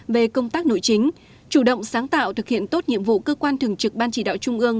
về công tác nội chính chủ động sáng tạo thực hiện tốt nhiệm vụ cơ quan thường trực ban chỉ đạo trung ương